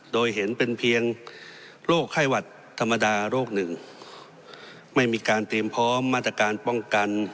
โดยเห็นเป็นเพียงโรคไข้หวัดธรรมดาโรคหนึ่งไม่มีการเตรียมพร้อมมาตรการป้องกัน